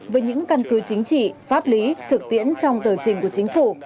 với những căn cứ chính trị pháp lý thực tiễn trong tờ trình của chính phủ